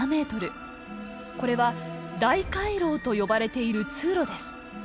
これは「大回廊」と呼ばれている通路です。